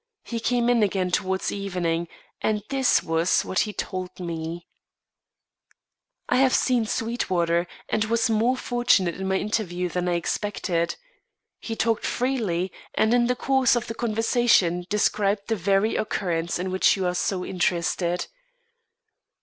He came in again towards evening, and this was what he told me: "I have seen Sweetwater, and was more fortunate in my interview than I expected. He talked freely, and in the course of the conversation, described the very occurrence in which you are so interested.